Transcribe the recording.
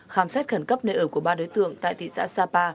khám xét khẩn cấp nơi ở của ba đối tượng tại thị xã sapa